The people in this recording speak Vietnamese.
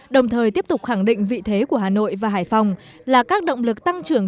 đồng thời tiếp tục khẳng định vị thế của hà nội và hải phòng là các động lực tăng trưởng